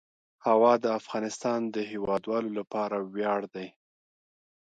هوا د افغانستان د هیوادوالو لپاره ویاړ دی.